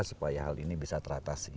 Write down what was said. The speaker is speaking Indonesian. supaya hal ini bisa teratasi